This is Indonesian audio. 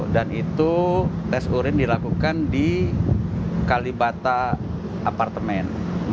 dan itu tes urin dilakukan di kalibata apartemen